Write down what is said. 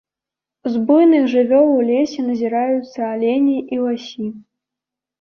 З буйных жывёл у лесе назіраюцца алені і ласі.